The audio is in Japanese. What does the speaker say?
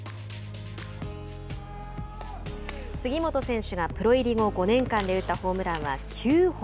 杉本選手がプロ入り後５年間で打ったホームランは９本。